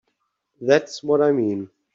That's what I mean.